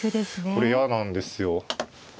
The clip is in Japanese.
これ嫌なんですよ。